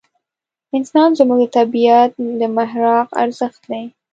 انسان زموږ د طبعیت د محراق ارزښت دی.